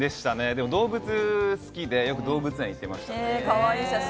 でも動物が好きで、よく動物園に行ってました。